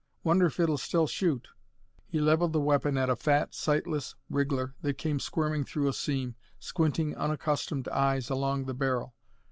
Wonder if it'll still shoot." He leveled the weapon at a fat, sightless wriggler that came squirming through a seam, squinting unaccustomed eyes along the barrel.